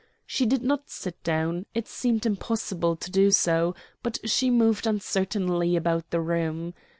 She did not sit down, it seemed impossible to do so, but she moved uncertainly about the room.